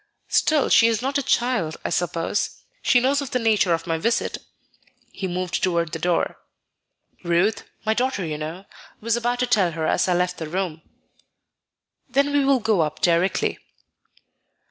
"Still she is not a child, I suppose; she knows of the nature of my visit?" He moved toward the door. "Ruth my daughter, you know was about to tell her as I left the room." "Then we will go up directly."